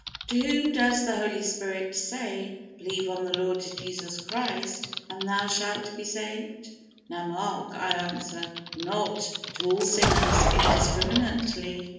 To whom does the Holy Spirit say, "Believe on the Lord Jesus Christ, and thou shalt be saved?" Now mark, I answer, not to all sinners indiscriminately.